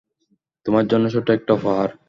তোমার জন্য ছোট্ট একটা উপহার।